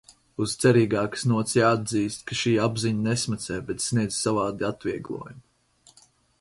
Uz cerīgākas nots jāatzīst, ka šī apziņa nesmacē, bet sniedz savādu atvieglojumu.